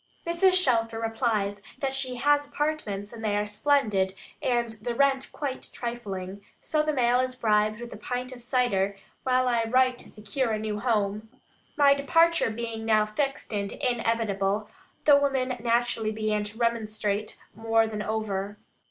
Mrs. Shelfer replies that "she has apartments, and they are splendid, and the rent quite trifling;" so the mail is bribed with a pint of cider, while I write to secure a new home. My departure being now fixed and inevitable, the women naturally began to remonstrate more than over.